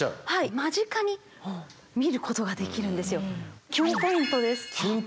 間近に見ることができるんですよ。